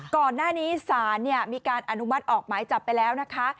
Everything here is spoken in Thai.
ก่อนหน้านี้ศาลมีการอนุมัติออกหมายจับไปแล้วนะคะ